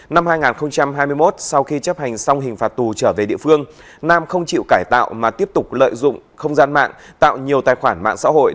năm hai nghìn hai mươi một sau khi chấp hành xong hình phạt tù trở về địa phương nam không chịu cải tạo mà tiếp tục lợi dụng không gian mạng tạo nhiều tài khoản mạng xã hội